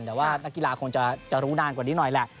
แต่ว่านักกีฬาคงจะรู้นานกว่านี้หน่อยแหละ